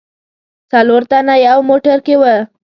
څلور تنه یو موټر کې و.